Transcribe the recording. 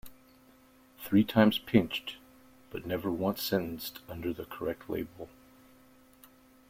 Three times pinched, but never once sentenced under the correct label.